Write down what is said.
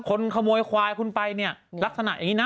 คนขโมยควายคุณไปเนี่ยลักษณะอย่างนี้นะ